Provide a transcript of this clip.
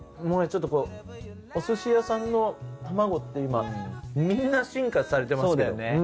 もうちょっとこうおすし屋さんの玉子って今みんな進化されてますからね。